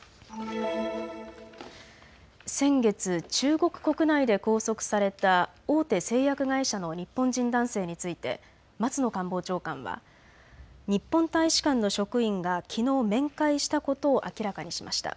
先月、中国国内で拘束された大手製薬会社の日本人男性について松野官房長官は日本大使館の職員がきのう面会したことを明らかにしました。